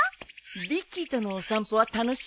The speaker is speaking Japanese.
ビッキーとのお散歩は楽しいからね。